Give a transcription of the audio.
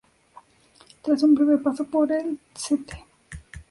Tras un breve paso por el St.